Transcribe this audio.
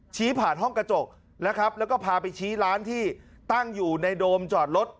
ชี้ผ่านห้องกระจกนะครับแล้วก็พาไปชี้ร้านที่ตั้งอยู่ในโดมจอดรถ